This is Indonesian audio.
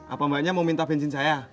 apa mbaknya mau minta bensin saya